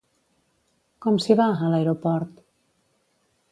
Com s'hi va, a l'aeroport?